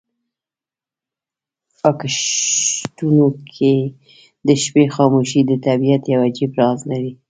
په کښتونو کې د شپې خاموشي د طبیعت یو عجیب راز لري.